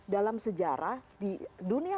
dalam sejarah di dunia